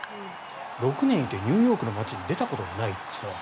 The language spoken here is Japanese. ６年いてニューヨークの街に出たことがない。